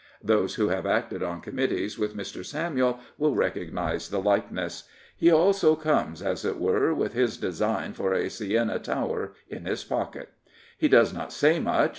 Those who have acted on committees with Mr. Samuel will recognise the likeness. He also comes, as it were, with his design for a Siena tower in his pocket. He does not say much.